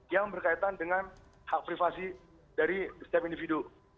yang berkaitan dengan hak privasi dari setiap individu